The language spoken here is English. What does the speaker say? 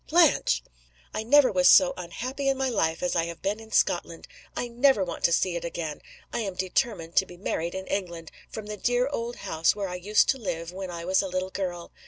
"Blanche!" "I never was so unhappy in my life as I have been in Scotland. I never want to see it again. I am determined to be married in England from the dear old house where I used to live when I was a little girl.